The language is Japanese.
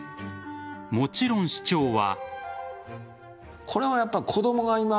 もちろん、市長は。